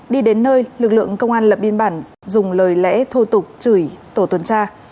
đi đến nơi lực lượng công an lập biên bản dùng lời lẽ thô tục chửi tổ tuần tra